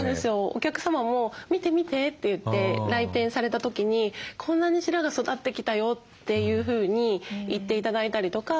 お客様も「見て見て」って言って来店された時に「こんなに白髪育ってきたよ」というふうに言って頂いたりとか。